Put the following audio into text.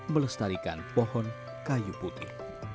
melestarikan pohon kayu putih